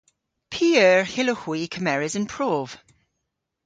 P'eur hyllowgh hwi kemeres an prov?